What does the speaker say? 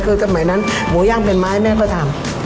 คือสมัยนั้นหมูย่างเป็นไม้แม่ก็ทำ